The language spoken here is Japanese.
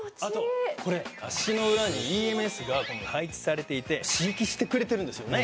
あとこれ足の裏にＥＭＳが配置されていて刺激してくれてるんです今も。